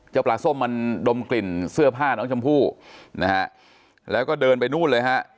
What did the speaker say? ปลาส้มมันดมกลิ่นเสื้อผ้าน้องชมพู่นะฮะแล้วก็เดินไปนู่นเลยฮะ